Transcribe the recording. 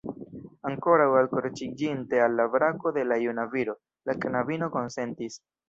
Ankoraŭ alkroĉiĝinte al la brako de la juna viro, la knabino konsentis: